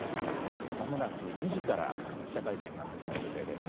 まもなく２時から記者会見が始まる予定です。